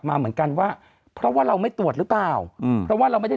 มาเหมือนกันว่าเพราะว่าเราไม่ตรวจหรือเปล่าอืมเพราะว่าเราไม่ได้